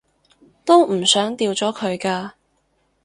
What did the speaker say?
都唔想掉咗佢㗎